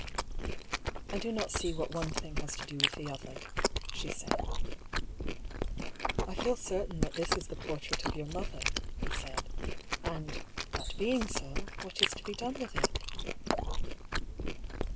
"I do not see what one thing has to do with the other," she said. "I feel certain that this is the portrait of your THE LOCKET. 119 mother,'* he said. " And, that being so, what is to be done with it?"